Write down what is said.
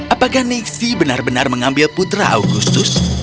apakah nixie benar benar mengambil putra augustus